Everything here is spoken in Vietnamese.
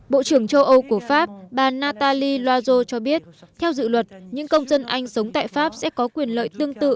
bộ trưởng châu âu của pháp bà nataly loa cho biết theo dự luật những công dân anh sống tại pháp sẽ có quyền lợi tương tự